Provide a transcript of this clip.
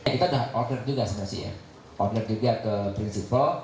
kita sudah order juga sebenarnya order juga ke principlo